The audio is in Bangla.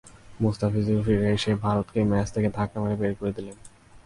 মুস্তাফিজুর ফিরে এসে ভারতকেই ম্যাচ থেকে ধাক্কা মেরে বের করে দিলেন।